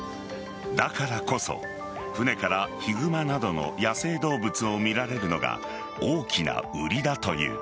だからこそ船からヒグマなどの野生動物を見られるのが大きな売りだという。